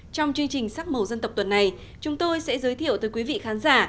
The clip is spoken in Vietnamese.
trong chương trình sắc màu dân tộc tuần này chúng tôi sẽ giới thiệu tới quý vị khán giả